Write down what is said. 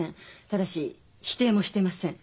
ただし否定もしてません。